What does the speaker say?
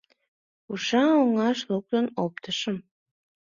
Уша оҥаш луктын оптышым.